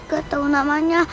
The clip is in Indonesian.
gak tau namanya